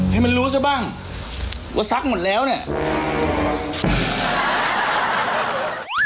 ให้มันรู้ซะบ้างว่าซักหมดแล้วเนี่ย